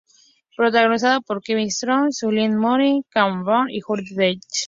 Protagonizada por Kevin Spacey, Julianne Moore, Cate Blanchett y Judi Dench.